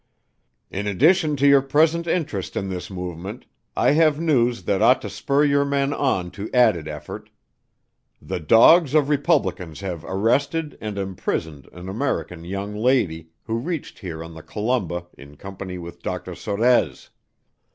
"In addition to your present interest in this movement, I have news that ought to spur your men on to added effort; the dogs of Republicans have arrested and imprisoned an American young lady, who reached here on the Columba in company with Dr. Sorez.